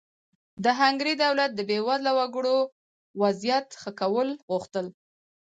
د هنګري دولت د بېوزله وګړو وضعیت ښه کول غوښتل.